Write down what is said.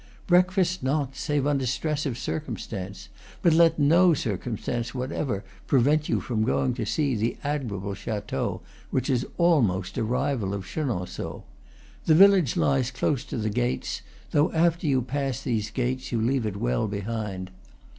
Breakfast not, save under stress of circumstance; but let no circumstance whatever prevent you from going to see the admirable chateau, which is almost a rival of Chenonceaux. The village lies close to the gates, though after you pass these gates you leave it well behind.